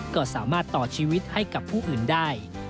ก็สามารถต่อชีวิตให้กับผู้อื่นได้